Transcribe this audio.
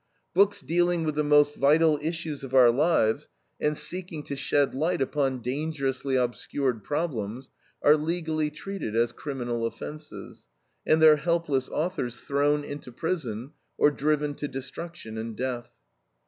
Books dealing with the most vital issues of our lives, and seeking to shed light upon dangerously obscured problems, are legally treated as criminal offenses, and their helpless authors thrown into prison or driven to destruction and death.